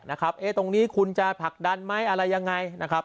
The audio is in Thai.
เอ๊ะตรงนี้คุณจะผลักดันไหมอะไรยังไงนะครับ